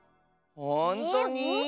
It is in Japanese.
ほんとに？